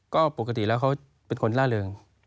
ก็ปกติแล้วเขาเป็นคนล่าเริง